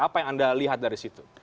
apa yang anda lihat dari situ